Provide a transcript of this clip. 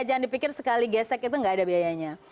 jangan dipikir sekali gesek itu nggak ada biayanya